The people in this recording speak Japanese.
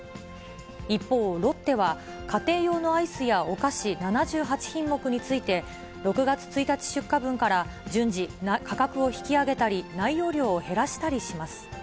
一方、ロッテは家庭用のアイスやお菓子７８品目について、６月１日出荷分から順次、価格を引き上げたり、内容量を減らしたりします。